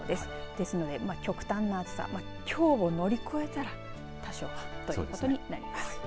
ですので極端な暑さきょうを乗り越えたら多少はということになります。